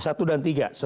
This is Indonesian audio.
satu dan tiga